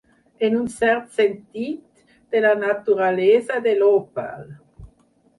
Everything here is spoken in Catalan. En un cert sentit, de la naturalesa de l'òpal.